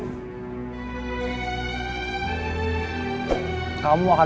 kamu akan mengulangkan